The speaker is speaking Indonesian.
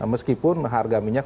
meskipun harga minyak